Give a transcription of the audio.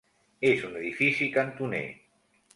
És un edifici cantoner.